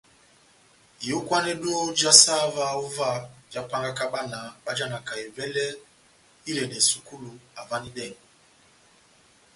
Iyókwanedo já saha óvah jahápángaka bána bájanaka evɛlɛ yá iledɛ sukulu havanidɛngo.